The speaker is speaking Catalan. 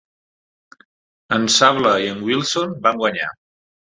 En Sable i en Wilson van guanyar.